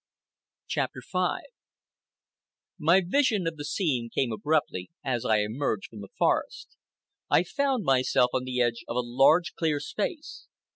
CHAPTER V My vision of the scene came abruptly, as I emerged from the forest. I found myself on the edge of a large clear space.